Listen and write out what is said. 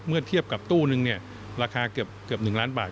เมื่อเทียบกับตู้หนึ่งราคาเกือบหนึ่งล้านบาท